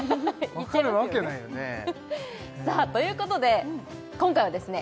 分かるわけないよねさあということで今回はですね